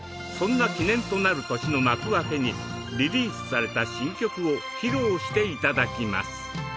そんな記念となる年の幕開けにリリースされた新曲を披露していただきます。